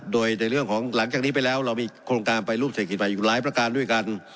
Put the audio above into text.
โดยในเรื่องของหลังจากนี้ไปแล้วเรามีโครงการไปรูปเศรษฐกิจใหม่อยู่หลายประการด้วยกัน